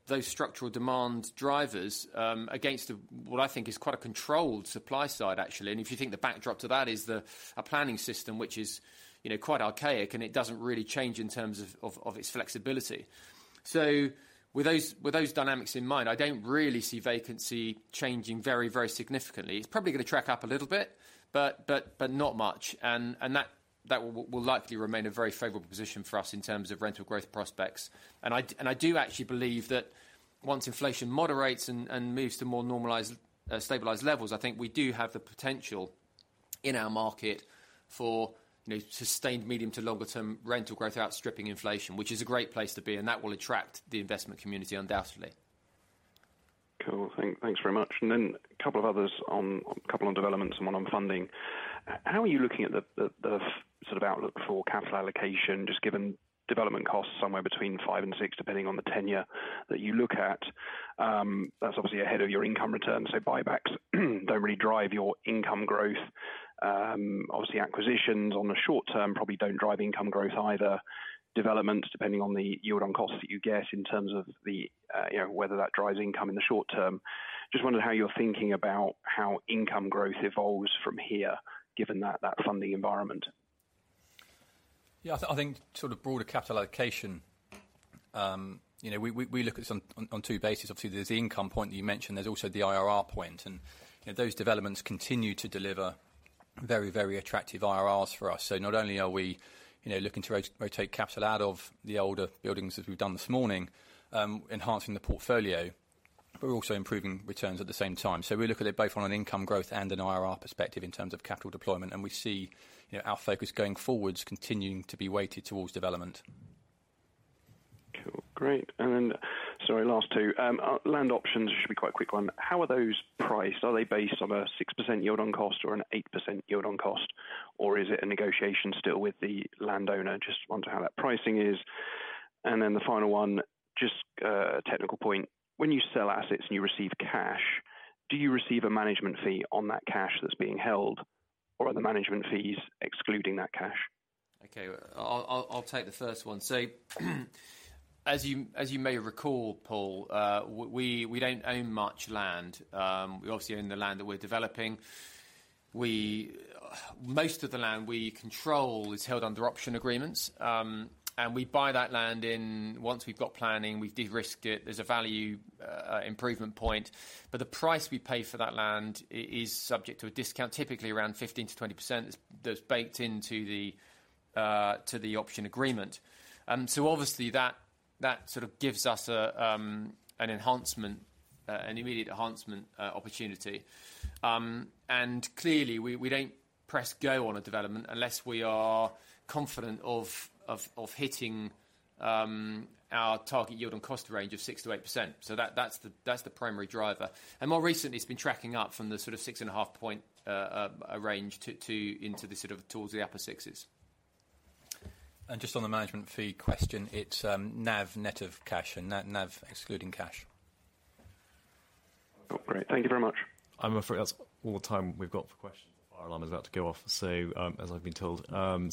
[SPEAKER 3] those structural demand drivers, against the, what I think is quite a controlled supply side, actually, and if you think the backdrop to that is the, a planning system which is, you know, quite archaic and it doesn't really change in terms of its flexibility. With those, with those dynamics in mind, I don't really see vacancy changing very, very significantly. It's probably gonna track up a little bit, but not much. That will likely remain a very favorable position for us in terms of rental growth prospects. I do actually believe that once inflation moderates and moves to more normalized, stabilized levels, I think we do have the potential in our market for, you know, sustained medium to longer term rental growth outstripping inflation, which is a great place to be, and that will attract the investment community undoubtedly.
[SPEAKER 10] Cool. Thanks very much. Couple of others on, a couple on developments and one on funding. How are you looking at the sort of outlook for capital allocation, just given development costs somewhere between 5 and 6, depending on the tenure that you look at? That's obviously ahead of your income returns, so buybacks don't really drive your income growth. Acquisitions on the short term probably don't drive income growth either. Development, depending on the yield on cost that you get in terms of, you know, whether that drives income in the short term. Just wondering how you're thinking about how income growth evolves from here, given that funding environment?
[SPEAKER 3] Yeah, I think sort of broader capital allocation, you know, we look at some on two bases. Obviously, there's the income point that you mentioned. There's also the IRR point. You know, those developments continue to deliver very, very attractive IRRs for us. Not only are we, you know, looking to rotate capital out of the older buildings as we've done this morning, enhancing the portfolio, but we're also improving returns at the same time. We look at it both on an income growth and an IRR perspective in terms of capital deployment. We see, you know, our focus going forwards continuing to be weighted towards development.
[SPEAKER 10] Cool. Great. Sorry, last two. land options should be quite a quick one. How are those priced? Are they based on a 6% yield on cost or an 8% yield on cost? Or is it a negotiation still with the landowner? Just wonder how that pricing is. The final one, just, a technical point. When you sell assets and you receive cash, do you receive a management fee on that cash that's being held? Or are the management fees excluding that cash?
[SPEAKER 3] Okay. I'll take the first one. As you may recall, Paul, we don't own much land. We obviously own the land that we're developing. Most of the land we control is held under option agreements, and we buy that land in. Once we've got planning, we've de-risked it, there's a value improvement point. The price we pay for that land is subject to a discount, typically around 15%-20% that's baked into the option agreement. Obviously that sort of gives us an enhancement, an immediate enhancement opportunity. Clearly we don't press go on a development unless we are confident of hitting our target yield on cost range of 6%-8%. That's the primary driver. More recently, it's been tracking up from the sort of 6.5% range to into the sort of towards the upper 6%.
[SPEAKER 4] Just on the management fee question, it's, NAV net of cash and NAV excluding cash.
[SPEAKER 10] Oh, great. Thank you very much.
[SPEAKER 1] I'm afraid that's all the time we've got for questions. Our alarm is about to go off, so as I've been told. I'm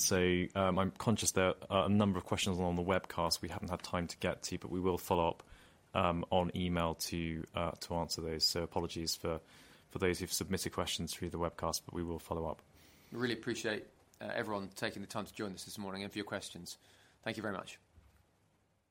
[SPEAKER 1] conscious there are a number of questions along the webcast we haven't had time to get to, but we will follow up on email to answer those. Apologies for those who've submitted questions through the webcast, but we will follow up.
[SPEAKER 3] We really appreciate everyone taking the time to join us this morning and for your questions. Thank you very much.